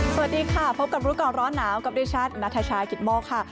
สวัสดีค่ะพบกับรู้ก่อนร้อนหนาวกับดิฉันนัทชายกิตโมกค่ะ